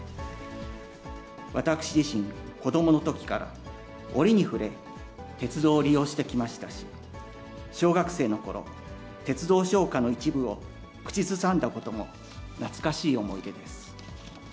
私自身、子どものときから折に触れ、鉄道を利用してきましたし、小学生のころ、鉄道唱歌の一部を口ずさんだことも懐かしい思い出です。